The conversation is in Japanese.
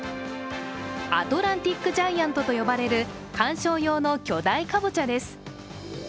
アトランティック・ジャイアントと呼ばれる観賞用の巨大カボチャです。